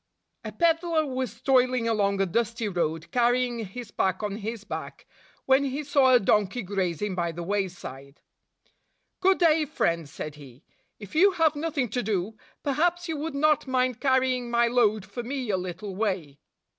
A peddler was toiling along a dusty road, carrying his pack on his back, when he saw a donkey grazing by the wayside. "Good day, friend," said he. "If you have nothing to do, perhaps you would not mind carrying my load for me a little way."